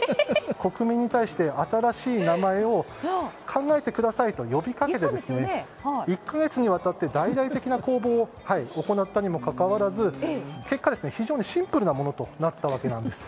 国民に対して新しい名前を考えてくださいと呼びかけていて１か月にわたって大々的な公募を行ったにもかかわらず結果、非常にシンプルなものとなったわけです。